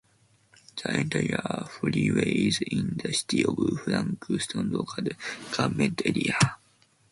The entire freeway is in the City of Frankston local government area.